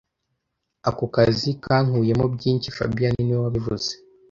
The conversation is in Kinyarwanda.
Ako kazi kankuyemo byinshi fabien niwe wabivuze